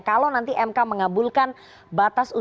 kalau nanti mk mengabulkan batas usia